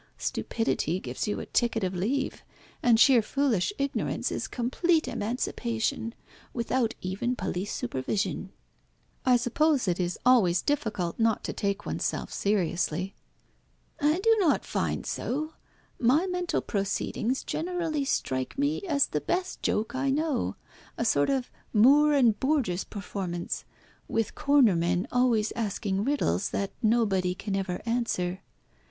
Stupidity gives you a ticket of leave, and sheer foolish ignorance is complete emancipation, without even police supervision." "I suppose it is always difficult not to take oneself seriously." "I do not find it so. My mental proceedings generally strike me as the best joke I know, a sort of Moore and Burgess' performance, with corner men always asking riddles that nobody can ever answer.